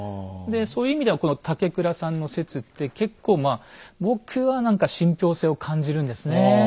でそういう意味ではこの竹倉さんの説って結構まあ僕は何か信憑性を感じるんですね。